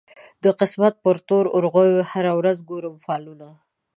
د قسمت پر تور اورغوي هره ورځ ګورم فالونه